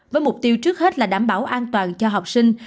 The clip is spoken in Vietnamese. với mục tiêu trước hết là đảm bảo an toàn cho học sinh